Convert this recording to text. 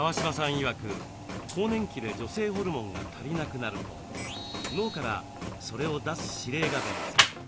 いわく更年期で女性ホルモンが足りなくなると脳からそれを出す指令が出ます。